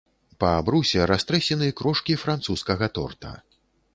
Па абрусе растрэсены крошкі французскага торта.